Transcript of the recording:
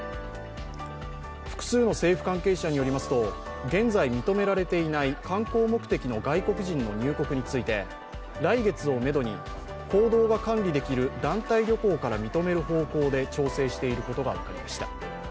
複数の政府関係者によりますと、現在認められていない観光目的の外国人の入国について来月をめどに行動が管理できる団体旅行から認める方向で調整していることが分かりました。